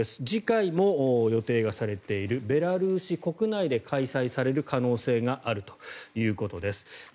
次回も予定がされているベラルーシ国内で開催される可能性があるということです。